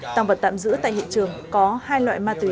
tăng vật tạm giữ tại hiện trường có hai loại ma túy